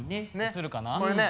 写るかな？